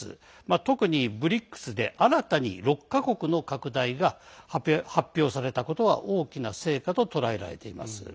特にＢＲＩＣＳで新たに６か国の拡大が発表されたことは大きな成果と捉えられています。